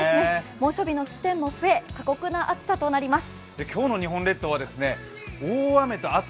猛暑日の地点も増え、過酷な暑さとなります。